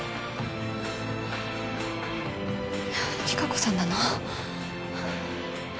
利華子さんなの？